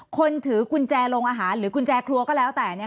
คนถือกุญแจโรงอาหารหรือกุญแจครัวก็แล้วแต่